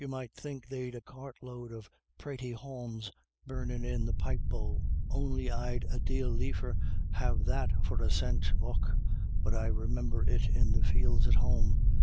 might think they'd a cart load of pratie haulms burnin' in the pipe bowl ; on'y I'd a dale liefer have that for a scent— och, but I remimber it in the fields at home.